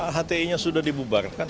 hti nya sudah dibubarkan